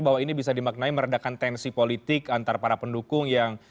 bahwa ini bisa dimaknai meredakan tensi politik antara para pendukung yang